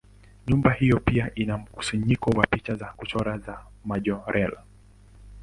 Nyumba hiyo pia ina mkusanyiko wa picha za kuchora za Majorelle.